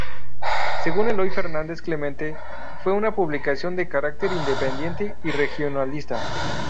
Según Eloy Fernández Clemente, fue una publicación de carácter independiente y regionalista.